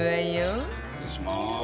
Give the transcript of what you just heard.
失礼します。